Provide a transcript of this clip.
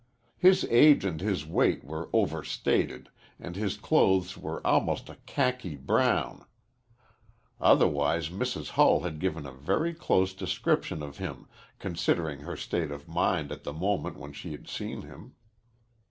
His age and his weight were overstated, and his clothes were almost a khaki brown. Otherwise Mrs. Hull had given a very close description of him, considering her state of mind at the moment when she had seen him.